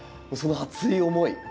その熱い思い。